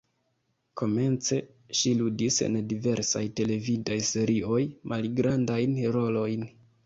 Komence ŝi ludis en diversaj televidaj serioj, malgrandajn rolojn.